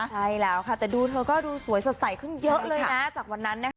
ใช่แล้วค่ะแต่ดูเธอก็ดูสวยสดใสขึ้นเยอะเลยนะจากวันนั้นนะคะ